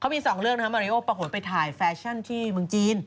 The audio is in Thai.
มี๒เรื่องนะครับมาริโอปรากฏไปถ่ายแฟชั่นที่เมืองจีน